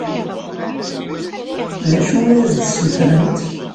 D acu i as-d-ssutrent?